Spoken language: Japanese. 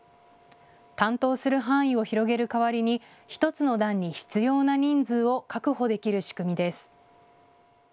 担当する範囲を広げる代わりに１つの団に必要な人数を確保できる仕組みです。